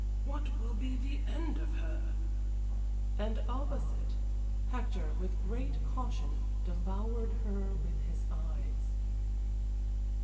What will be the end of her?" And opposite, Hector, with great caution, devoured her with his eyes.